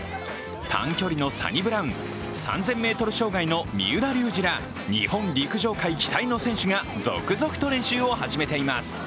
短距離のサニブラウン、３０００ｍ障害の三浦龍司ら日本陸上界期待の選手が続々と練習を始めています。